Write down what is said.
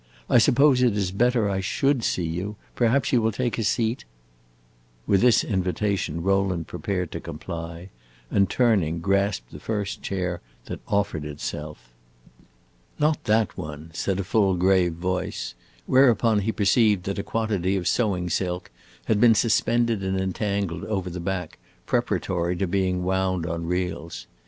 I suppose it is better I should see you. Perhaps you will take a seat." With this invitation Rowland prepared to comply, and, turning, grasped the first chair that offered itself. "Not that one," said a full, grave voice; whereupon he perceived that a quantity of sewing silk had been suspended and entangled over the back, preparatory to being wound on reels.